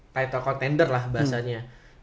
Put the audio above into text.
title contender lah bahasanya